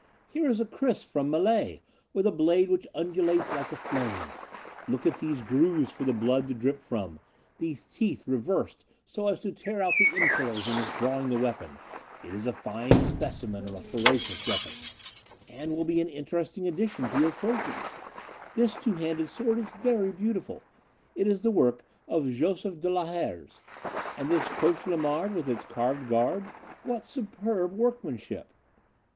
Here is a kris from Malay, with a blade which undulates like a flame; look at these grooves for the blood to drip from, these teeth reversed so as to tear out the entrails in withdrawing the weapon; it is a fine specimen of a ferocious weapon, and will be an interesting addition to your trophies; this two handed sword is very beautiful it is the work of Joseph de la Herz; and this cauchelimarde with its carved guard what superb workmanship!"